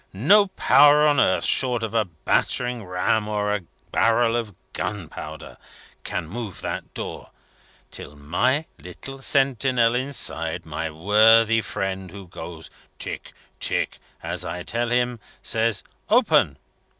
No power on earth, short of a battering ram or a barrel of gunpowder, can move that door, till my little sentinel inside my worthy friend who goes 'Tick, Tick,' as I tell him says, 'Open!'